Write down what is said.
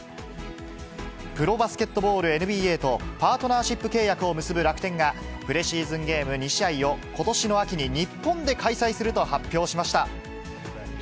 プロバスケットボール、ＮＢＡと、パートナーシップ契約を結ぶ楽天が、プレシーズンゲーム２試合を、ことしの秋に日本で開催すると発表しました。